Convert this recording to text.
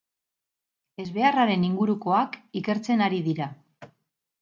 Ezbeharraren ingurukoak ikertzen ari dira.